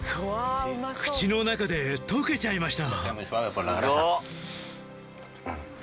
口の中でとけちゃいました！